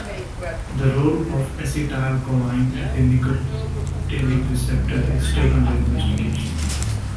The role of acetylcholine at the nicotinic receptor is still under investigation.